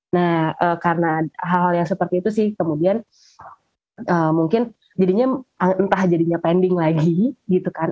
nah karena hal hal yang seperti itu sih kemudian mungkin jadinya entah jadinya pending lagi gitu kan